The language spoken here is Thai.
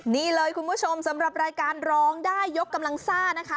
นี่เลยคุณผู้ชมสำหรับรายการร้องได้ยกกำลังซ่านะคะ